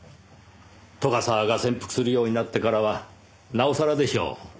斗ヶ沢が潜伏するようになってからはなおさらでしょう。